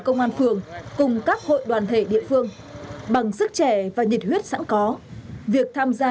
công an phường cùng các hội đoàn thể địa phương bằng sức trẻ và nhiệt huyết sẵn có việc tham gia